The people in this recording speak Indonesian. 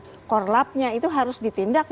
mastermind nya core lab nya itu harus ditindak